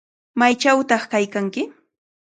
¿Maychawtaq kaykanki?